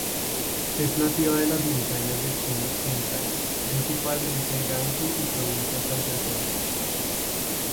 Es nativa de las montañas de China occidental, principalmente de Gansu y provincias adyacentes.